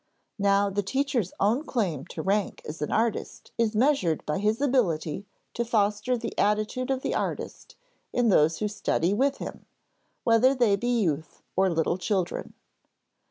Now the teacher's own claim to rank as an artist is measured by his ability to foster the attitude of the artist in those who study with him, whether they be youth or little children.